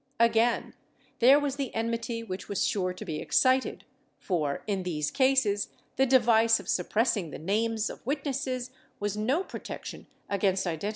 Again there was the enmity which was sure to be excited for, in these cases, the device of sup pressing the names of witnesses was no protection against identi 1 Bibl.